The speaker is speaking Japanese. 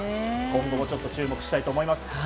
今後も注目したいと思います。